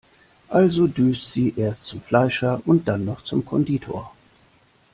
Also düst sie erst zum Fleischer und dann noch zum Konditor.